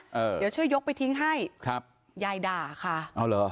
เออเดี๋ยวช่วยยกไปทิ้งให้ครับยายด่าค่ะเอาเหรอ